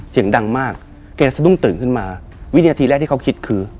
เสียงดังมากแกสะดุ้งตื่นขึ้นมาวินาทีแรกที่เขาคิดคือ